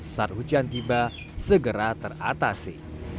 saat hujan tiba segera teratasi